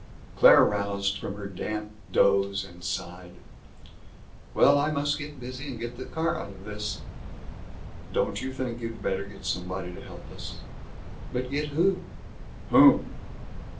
Claire roused from her damp doze and sighed, "Well, I must get busy and get the car out of this." "Don't you think you'd better get somebody to help us?" "But get who?" "Whom!"